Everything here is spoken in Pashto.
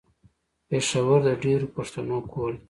پېښور د ډېرو پښتنو کور ده.